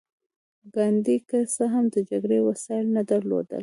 ګاندي که څه هم د جګړې وسايل نه درلودل.